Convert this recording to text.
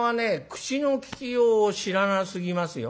口のききようを知らなすぎますよ。